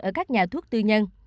ở các nhà thuốc tư nhân